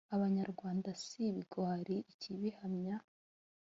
abanyarwanda si ibigwari ikibihamya